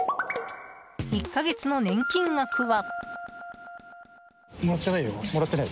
１か月の年金額は。